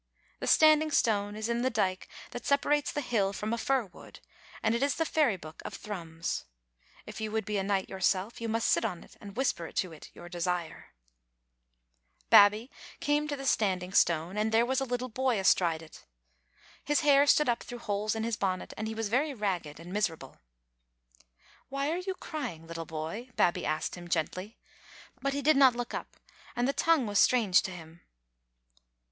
The Standing Stone is in the dyke that separates the hill from a fir wood, and it is the fairy book of Thrums. If you would be a knight yourself, you must sit on it and whisper to it your desire. Digitized by VjOOQ IC tSbc mew tniotlD. did Babbie came to the Standing Stone, and there was ^ little boy astride it. His hair stood up through holes in his bonnet, and he was very ragged and miserable. "Why are you crying, little boy?" Babbie asked him, gently; but he did not look up, and the tongue was strange to him.